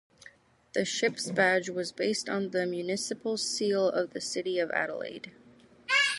The ship's badge was based on the municipal seal of the City of Adelaide.